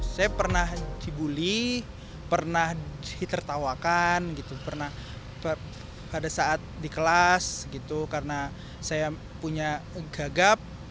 saya pernah dibully pernah ditertawakan pada saat di kelas karena saya punya gagap